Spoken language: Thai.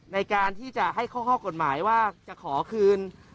ในการที่จะให้ข้อกฎหมายว่าจะขอคืน